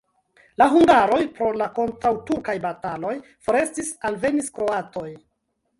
La hungaroj pro la kontraŭturkaj bataloj forestis, alvenis kroatoj.